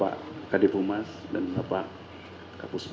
assalamualaikum wr wb